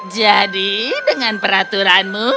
jadi dengan peraturanmu